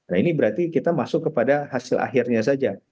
nah ini berarti kita masuk kepada hasil akhirnya saja